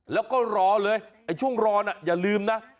แล้วก็รอเลยช่วงรอน่ะอย่าลืมนะ